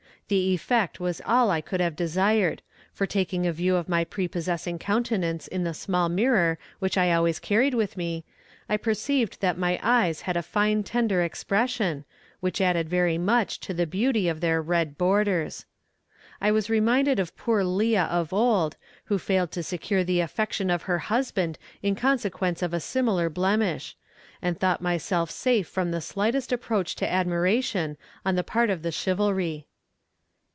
The effect was all I could have desired, for taking a view of my prepossessing countenance in the small mirror which I always carried with me, I perceived that my eyes had a fine tender expression, which added very much to the beauty of their red borders. I was reminded of poor Leah of old who failed to secure the affection of her husband in consequence of a similar blemish, and thought myself safe from the slightest approach to admiration on the part of the chivalry.